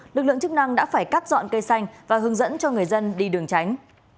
lực lượng chức năng đã phải cắt dọn cây xanh và hướng dẫn cho người dân đi đường tránh